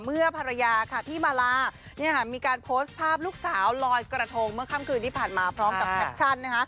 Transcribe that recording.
ภรรยาค่ะพี่มาลามีการโพสต์ภาพลูกสาวลอยกระทงเมื่อค่ำคืนที่ผ่านมาพร้อมกับแคปชั่นนะคะ